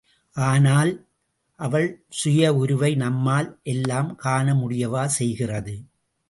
ஆனால் அவள் சுய உருவை நம்மால் எல்லாம் காணமுடியவா செய்கிறது.